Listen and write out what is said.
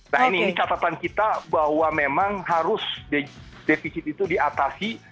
nah ini catatan kita bahwa memang harus defisit itu diatasi